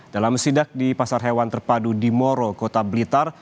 dalam sidak di pasar hewan terpadu di moro kota blitar